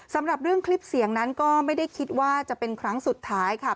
สำหรับเรื่องคลิปเสียงนั้นก็ไม่ได้คิดว่าจะเป็นครั้งสุดท้ายค่ะ